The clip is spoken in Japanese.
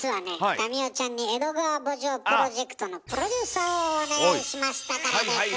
民生ちゃんに「江戸川慕情プロジェクト」のプロデューサーをお願いしましたからです。